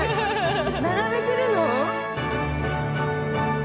並べてるの？